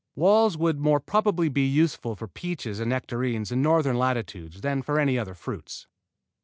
Walls would more probably be useful for peaches and nectarines in northern latitudes than for any other fruits.